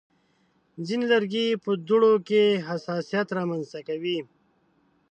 ځینې لرګي په دوړو کې حساسیت رامنځته کوي.